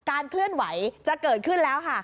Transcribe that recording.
เคลื่อนไหวจะเกิดขึ้นแล้วค่ะ